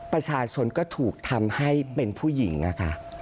ประชาชนก็ถูกทำให้เป็นผู้หญิงอะค่ะ